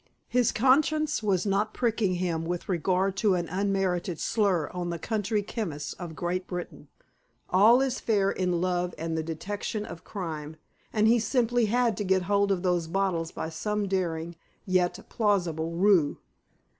His conscience was not pricking him with regard to an unmerited slur on the country chemists of Great Britain. All is fair in love and the detection of crime, and he simply had to get hold of those bottles by some daring yet plausible ruse.